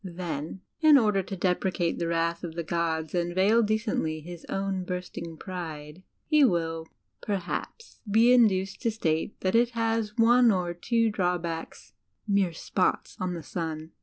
Then, in order to deprecate the wrath of the gods and veil decendy his own bursting pride, he will, perhaps, be induced to state that it has one or two drawbacks mere spots on the sun.